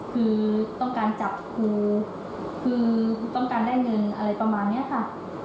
คือต้องการจับครูคือครูต้องการได้เงินอะไรประมาณนี้ค่ะ